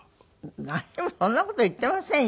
何もそんな事言っていませんよ。